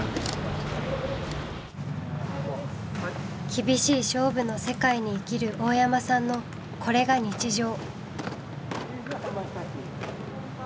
厳しい勝負の世界に生きる大山さんのこれが日常。